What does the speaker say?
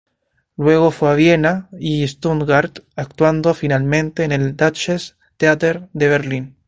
Luego fue a Viena y Stuttgart, actuando finalmente en el Deutsches Theater de Berlín.